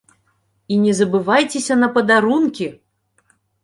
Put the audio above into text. І не забывайцеся на падарункі!